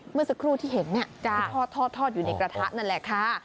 เมื่อสักครู่ที่เห็นที่ทอดอยู่ในกระทะนั่นแหละค่ะ